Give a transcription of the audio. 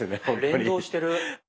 連動してる。